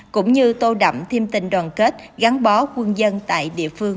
cũng như tô đậm thêm tình đoàn kết gắn bó quân dân tại địa phương